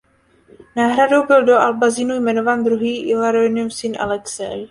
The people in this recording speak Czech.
Náhradou byl do Albazinu jmenován druhý Ilarionův syn Alexej.